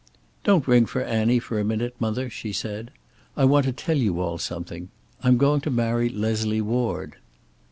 "Don't ring for Annie for a minute, mother," she said. "I want to tell you all something. I'm going to marry Leslie Ward."